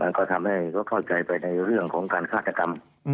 ก็ทำให้เขาเข้าใจไปในเรื่องของการฆาตกรรม